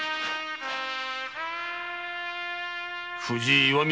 藤井岩見